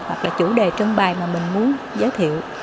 hoặc chủ đề trưng bày mà mình muốn giới thiệu